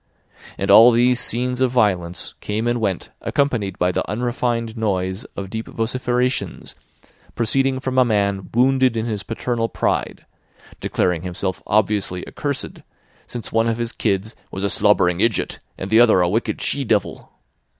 And all these scenes of violence came and went accompanied by the unrefined noise of deep vociferations proceeding from a man wounded in his paternal pride, declaring himself obviously accursed since one of his kids was a "slobbering idjut and the other a wicked she devil."